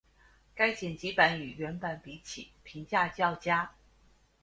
该剪辑版与原版比起评价较佳。